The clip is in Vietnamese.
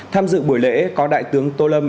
tham dự buổi lễ có đại tướng tô lâm